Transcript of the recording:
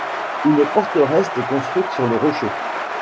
Une forteresse est construite sur le Rocher.